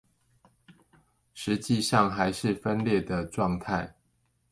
實際上還是分裂的狀態